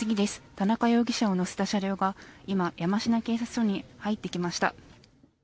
田中容疑者を乗せた車両が今、山科警察署に入っていきました。